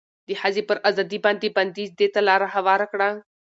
د ښځې پر ازادې باندې بنديز دې ته لار هواره کړه